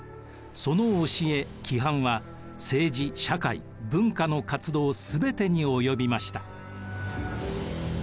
その教え規範は政治社会文化の活動全てに及びました。